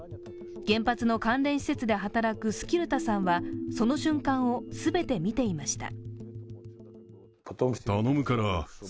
原発の関連施設で働くスキルタさんは、その瞬間を全て見ていました。